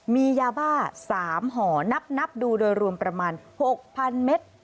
มียาบ้า๓ห่อนับดูโดยรวมประมาณ๖๐๐๐เมตร